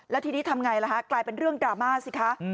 แล้วทีนี้ทำไงล่ะฮะกลายเป็นเรื่องดราม่าสิคะ